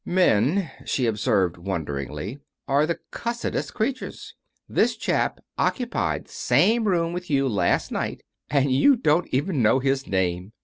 "Men," she observed, wonderingly, "are the cussedest creatures. This chap occupied the same room with you last night and you don't even know his name.